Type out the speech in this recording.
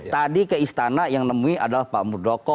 tadi ke istana yang nemuin adalah pak murdoko